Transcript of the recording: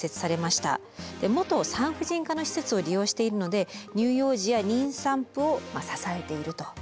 元産婦人科の施設を利用しているので乳幼児や妊産婦を支えていると。